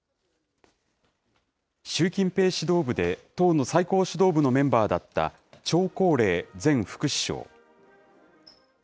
習近平指導部で党の最高指導部のメンバーだった、張高麗前副首相。